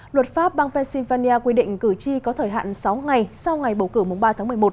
luật pháp bang pennsylvania quy định cử tri có thời hạn sáu ngày sau ngày bầu cử ba tháng một mươi một